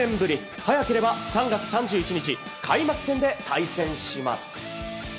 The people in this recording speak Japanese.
早ければ３月３１日開幕戦で対戦します。